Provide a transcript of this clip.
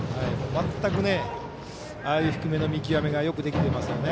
全く、低めの見極めがよくできていますよね。